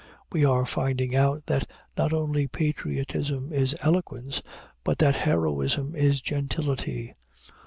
We are finding out that not only "patriotism is eloquence," but that heroism is gentility.